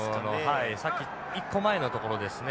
さっき１個前のところですね。